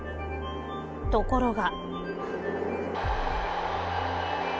ところが。